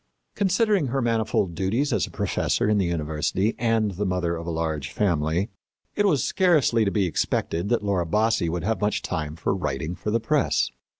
Considering her manifold duties as a professor in the university and the mother of a large family, it was scarcely to be expected that Laura Bassi would have much time for writing for the press.